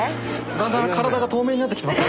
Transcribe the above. だんだん体が透明になってきてます。